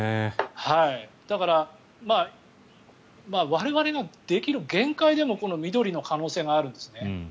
だから我々ができる限界でも緑の可能性があるんですね。